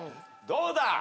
どうだ？